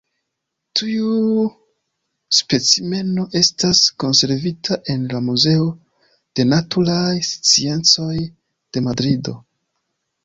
Tiu specimeno estas konservita en la Muzeo de Naturaj Sciencoj de Madrido.